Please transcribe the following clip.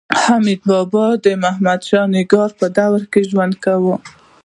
حمید بابا د محمدشاه رنګیلا په دوره کې ژوند کاوه